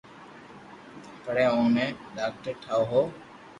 پڙآن اوني ڌاڪٽر ٺاوُِ ھون